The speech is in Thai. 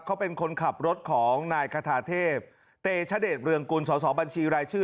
เขาเป็นคนขับรถของนายคาทาเทพเตชเดชเรืองกุลสอสอบัญชีรายชื่อ